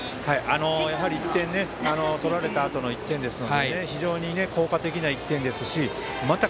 やはり１点取られたあとの１点ですので非常に効果的な１点ですしまた